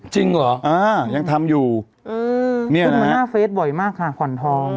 จริงเหรออ่ายังทำอยู่อืมเนี้ยนะฮะเพจบ่อยมากค่ะผ่อนทอง